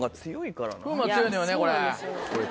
風磨強いのよねこれ。